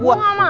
gue gak mau